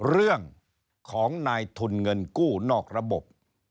เรื่องของนายทุนเงินกู้นอกระบบ